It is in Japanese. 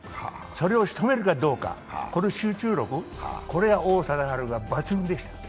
それをしとめるかどうかこの集中力、これが王貞治は抜群でした。